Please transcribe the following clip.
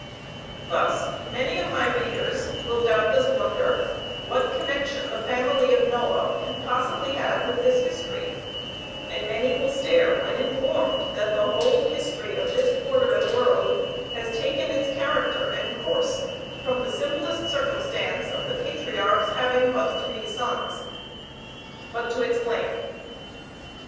Thus many of my readers will doubtless wonder what connection the family of Noah can possibly have with this history; and many will stare when informed that the whole history of this quarter of the world has taken its character and course from the simplest circumstance of the patriarch's having but three sons but to explain.